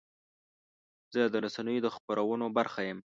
زه د رسنیو د خپرونو برخه یم.